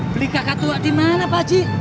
beli kakak tua dimana pak haji